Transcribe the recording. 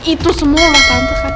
itu semualah tante kan tante